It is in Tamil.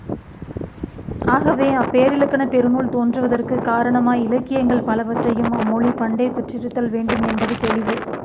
ஆகவே, அப்பேரிலக்கணப் பெருநூல் தோன்றுவதற்குக் காரணமாய் இலக்கியங்கள் பலவற்றையும் அம்மொழி பண்டே பெற்றிருத்தல் வேண்டும் என்பது தெளிவு.